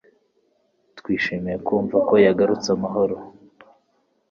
Twishimiye kumva ko yagarutse amahoro